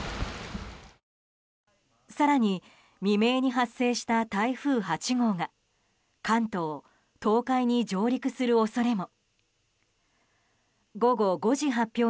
更に未明に発生した台風８号が関東、東海に上陸する恐れも。